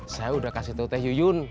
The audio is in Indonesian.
saya udah kasih tau teh yuyun